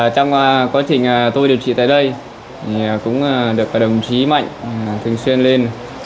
trong quá trình tôi điều trị tại đây cũng được đồng chí mạnh thường xuyên lên